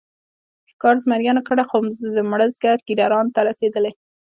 ښکار زمریانو کړی خو مړزکه ګیدړانو ته رسېدلې.